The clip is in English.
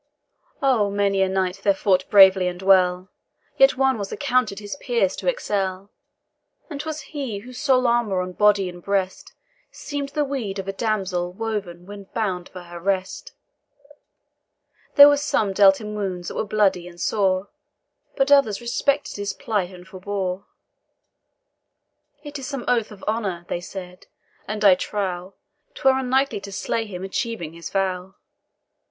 Oh, many a knight there fought bravely and well, Yet one was accounted his peers to excel, And 'twas he whose sole armour on body and breast Seem'd the weed of a damsel when bouned for her rest. There were some dealt him wounds that were bloody and sore, But others respected his plight, and forbore. "It is some oath of honour," they said, "and I trow, 'Twere unknightly to slay him achieving his vow."